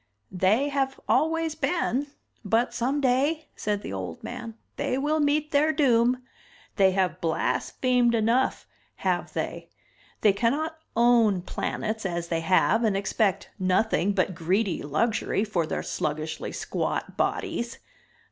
"They have always been. But someday," said the old man, "they will meet their doom. They have blasphemed enough, have they. They cannot own planets as they have and expect nothing but greedy luxury for their sluggishly squat bodies.